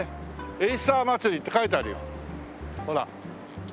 「エイサーまつり」って書いてあるよほら。